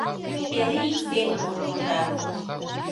Эре ик семын урмыжат.